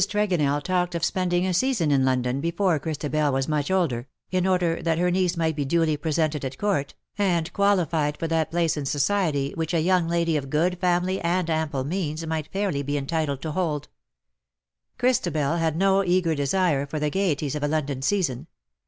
Tregonell talked of spending a season in London before Christabel was much older, in order that her niece might be duly pre sented at Court, and qualified for that place in 26 THE DAYS THAT ARE NO MORE. society whicli a young lady of good family and ample means might fairly be entitled to hold. Christabel had no eager desire for the gaieties of a London season.